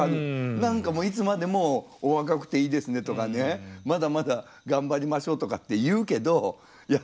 何か「いつまでもお若くていいですね」とかね「まだまだ頑張りましょう」とかって言うけどいや